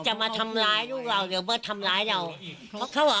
จะมาทำร้ายลูกเราเดี๋ยวเขาทำร้ายเรา